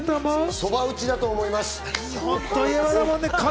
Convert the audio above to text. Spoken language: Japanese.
そば打ちだと思います。